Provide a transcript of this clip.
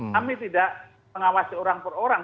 kami tidak mengawasi orang per orang